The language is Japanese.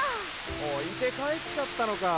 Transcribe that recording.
おいてかえっちゃったのか。